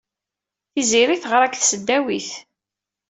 Tiziri teɣra deg tesdawit.